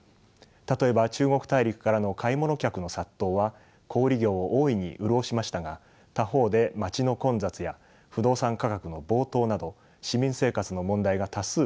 例えば中国大陸からの買い物客の殺到は小売業を大いに潤しましたが他方で町の混雑や不動産価格の暴騰など市民生活の問題が多数浮上しました。